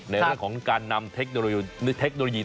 ในเรื่องของการนำเทคโนโลยี